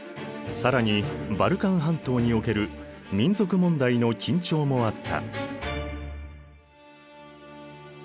更にバルカン半島における民族問題の緊張もあった。